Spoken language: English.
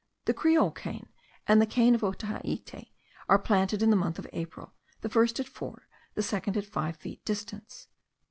The creole cane and the cane of Otaheite* are planted in the month of April, the first at four, the second at five feet distance.